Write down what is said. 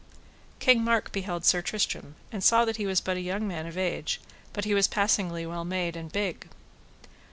King Mark beheld Sir Tristram and saw that he was but a young man of age, but he was passingly well made and big.